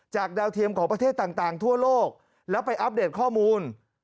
ดาวเทียมของประเทศต่างทั่วโลกแล้วไปอัปเดตข้อมูล